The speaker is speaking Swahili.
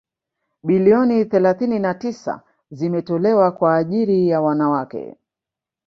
bilioni thelathini na tisa zimetolewa kwa ajiri ya wanawake